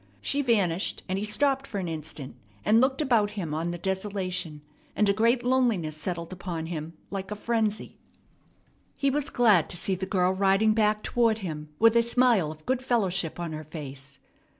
She vanished, and he stopped for an instant, and looked about him on the desolation; and a great loneliness settled upon him like a frenzy. He was glad to see the girl riding back toward him with a smile of good fellowship on her face.